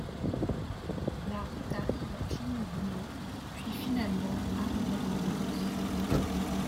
La route arrive à Klingnau puis finalement arrive à Koblenz.